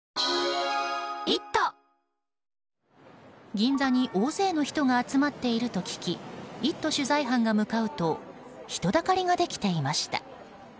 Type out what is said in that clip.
銀座に大勢の人が集まっていると聞き「イット！」取材班が向かうと人だかりができていました。